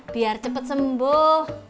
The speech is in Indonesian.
biar cepat sembuh